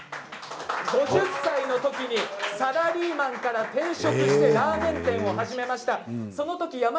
５０歳のときにサラリーマンから転職をしてラーメン店を始めました。